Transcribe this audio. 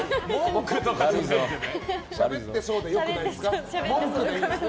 しゃべってそうでよくないですか。